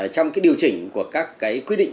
trong cái điều chỉnh của các cái quy định